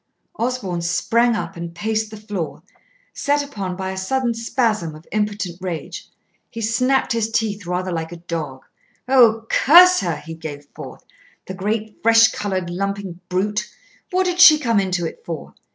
Osborn sprang up and paced the floor, set upon by a sudden spasm of impotent rage. He snapped his teeth rather like a dog. "Oh! curse her!" he gave forth. "The great, fresh coloured lumping brute! What did she come into it for?